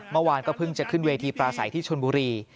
เมื่อวานก็เพิ่งจะขึ้นเวทีปราศัยที่ชนบุรี